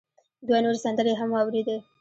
دوه نورې سندرې يې هم واورېدې.